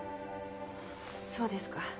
そうですか。